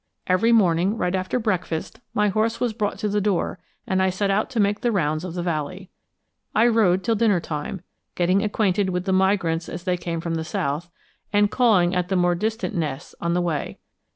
Every morning, right after breakfast, my horse was brought to the door and I set out to make the rounds of the valley. I rode till dinner time, getting acquainted with the migrants as they came from the south, and calling at the more distant nests on the way.